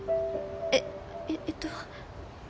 ええっと。